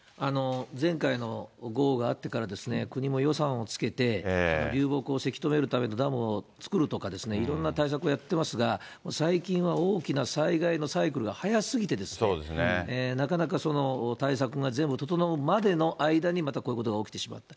前回の豪雨があってから、国も予算をつけて、流木をせき止めるためのダムを造るとかですね、いろんな対策をやっていますが、最近は大きな災害のサイクルが速すぎて、なかなか対策が全部整うまでの間にまたこういうことが起きてしまった。